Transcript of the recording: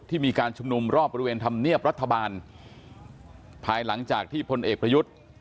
มีการชุมนุมรอบบริเวณธรรมเนียบรัฐบาลภายหลังจากที่พลเอกประยุทธ์